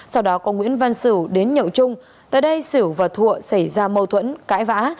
sau đó có nguyễn văn sửu đến nhậu trung tại đây xỉu và thụa xảy ra mâu thuẫn cãi vã